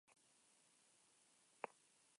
Kaukasotik ere ibili izan zen.